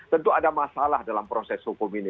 tentu ada masalah dalam proses hukum ini